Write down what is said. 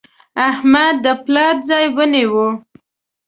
احمد د پلار ځای ونیو.